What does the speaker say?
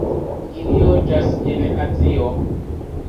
Ili loĝas en Azio.